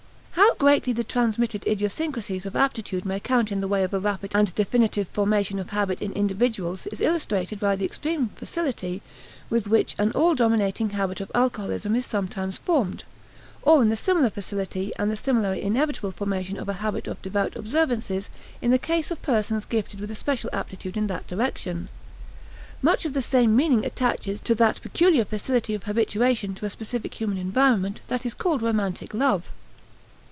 How greatly the transmitted idiosyncrasies of aptitude may count in the way of a rapid and definitive formation of habit in individuals is illustrated by the extreme facility with which an all dominating habit of alcoholism is sometimes formed; or in the similar facility and the similarly inevitable formation of a habit of devout observances in the case of persons gifted with a special aptitude in that direction. Much the same meaning attaches to that peculiar facility of habituation to a specific human environment that is called romantic love.